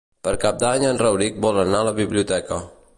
Per Cap d'Any en Rauric vol anar a la biblioteca.